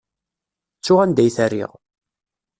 Ttuɣ anda i t-rriɣ.